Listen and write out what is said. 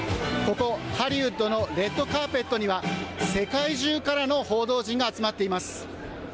ここ、ハリウッドのレッドカーペットには、世界中からの報道陣が集まっています。